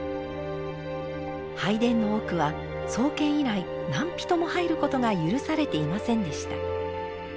拝殿の奥は創建以来何人も入ることが許されていませんでした。